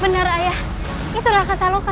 menar ayah itu raka saloka